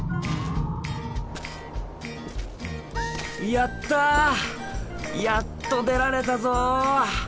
やったやっと出られたぞ！